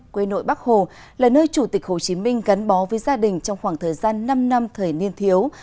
quê nội bắc hồ là nơi chủ tịch hồ chí minh gắn bó với gia đình trong khoảng thời gian năm năm thời niên thiếu